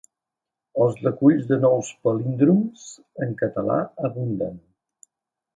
Els reculls de nous palíndroms en català abunden.